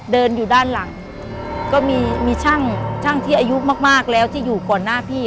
เดินอยู่ด้านหลังก็มีมีช่างช่างที่อายุมากแล้วที่อยู่ก่อนหน้าพี่